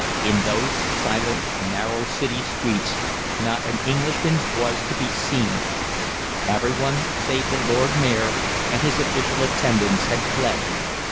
In those silent, narrow City streets not an Englishman was to be seen. Every one save the Lord Mayor and his official attendants had fled.